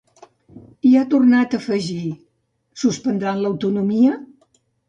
I ha tornat a afegir: Suspendran l’autonomia?